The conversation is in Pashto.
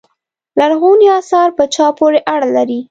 لرغونو اثار په چا پورې اړه لري.